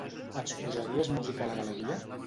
Ens posaries música a la galeria?